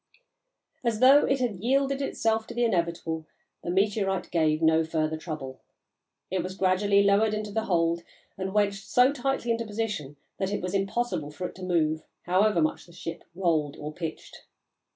As though it had yielded itself to the inevitable, the meteorite gave no further trouble. It was gradually lowered into the hold and wedged so tightly into position that it was impossible for it to move, however much the ship rolled or pitched.